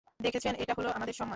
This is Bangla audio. দেখেছেন, এটা হলো আমাদের সম্মান।